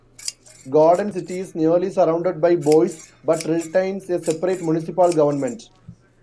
Garden City is nearly surrounded by Boise but retains a separate municipal government.